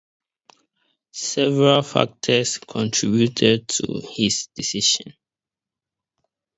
Several factors contributed to his decision.